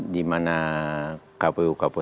di mana kpu kpu